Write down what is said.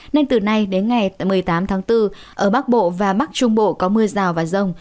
nên từ nay đến ngày một mươi tám tháng bốn ở bắc bộ và bắc trung bộ có mưa rào và rông